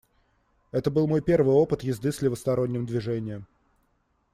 Это был мой первый опыт езды с левосторонним движением.